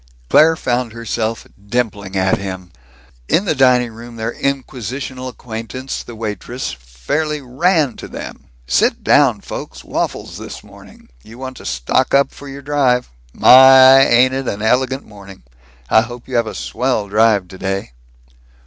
Claire found herself dimpling at him. In the dining room their inquisitional acquaintance, the waitress, fairly ran to them. "Sit down, folks. Waffles this morning. You want to stock up for your drive. My, ain't it an elegant morning! I hope you have a swell drive today!"